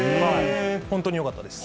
本当によかったです。